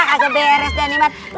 aduh beres deh ini mah